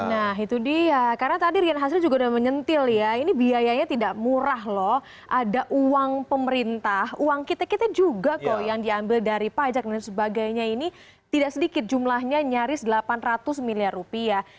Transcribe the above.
nah itu dia karena tadi rian hasri juga udah menyentil ya ini biayanya tidak murah loh ada uang pemerintah uang kita kita juga kok yang diambil dari pajak dan sebagainya ini tidak sedikit jumlahnya nyaris delapan ratus miliar rupiah